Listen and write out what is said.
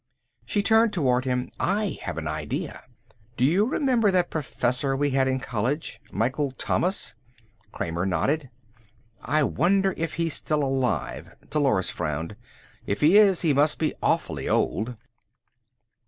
She turned toward him. "I have an idea. Do you remember that professor we had in college. Michael Thomas?" Kramer nodded. "I wonder if he's still alive." Dolores frowned. "If he is he must be awfully old."